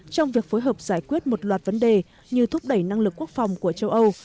trong việc phối hợp giải quyết một loạt vấn đề như thúc đẩy năng lực quốc phòng của châu âu